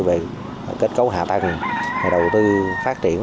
về kết cấu hạ tăng đầu tư phát triển